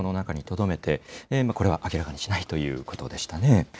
心の中にとどめて、これは明らかにしないということでしたね。